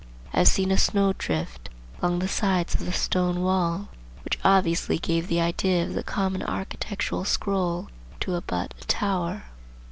I have seen a snow drift along the sides of the stone wall which obviously gave the idea of the common architectural scroll to abut a tower.